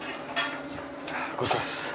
ごちそうさまです。